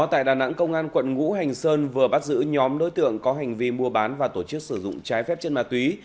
tại đà nẵng công an quận ngũ hành sơn vừa bắt giữ nhóm đối tượng có hành vi mua bán và tổ chức sử dụng trái phép chất ma túy